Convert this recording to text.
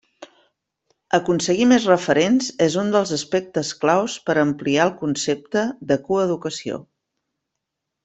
Aconseguir més referents és un dels aspectes claus per a ampliar el concepte de coeducació.